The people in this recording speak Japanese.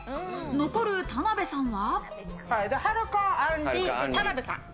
残る田辺さんは。